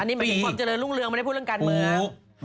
นี่หมายถึงความเจริญรุ่งเรืองไม่ได้พูดเรื่องการเมือง